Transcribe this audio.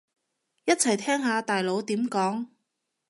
一齊聽下大佬點講